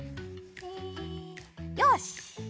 よし！